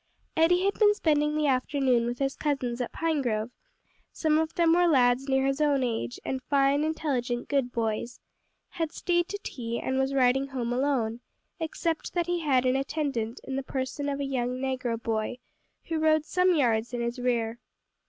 Eddie had been spending the afternoon with his cousins at Pinegrove (some of them were lads near his own age, and fine, intelligent, good boys), had stayed to tea and was riding home alone, except that he had an attendant in the person of a young negro boy, who rode some yards in his rear.